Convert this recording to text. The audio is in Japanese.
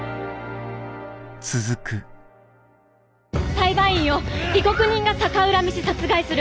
裁判員を被告人が逆恨みし殺害する。